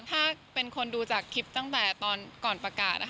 ถ้าเป็นคนดูจากคลิปตั้งแต่ตอนก่อนประกาศ